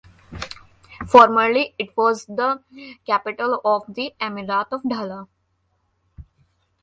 Formerly it was the capital of the Emirate of Dhala.